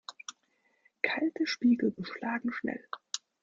Kalte Spiegel beschlagen schnell.